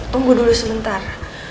tunggu dulu sebentar